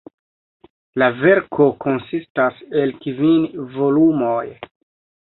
La verko konsistas el kvin volumoj.